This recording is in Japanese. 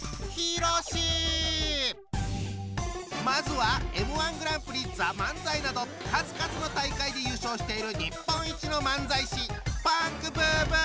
まずは「Ｍ−１グランプリ」「ＴＨＥＭＡＮＺＡＩ」など数々の大会で優勝している日本一の漫才師！